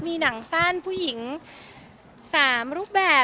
มีหนังสั้นผู้หญิง๓รูปแบบ